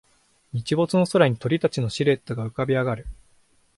日没の空に鳥たちのシルエットが浮かび上がる